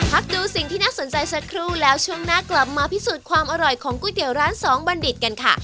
ดูสิ่งที่น่าสนใจสักครู่แล้วช่วงหน้ากลับมาพิสูจน์ความอร่อยของก๋วยเตี๋ยวร้านสองบัณฑิตกันค่ะ